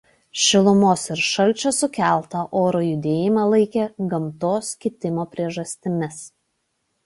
Šilumos ir šalčio sukeltą oro judėjimą laikė gamtos kitimo priežastimis.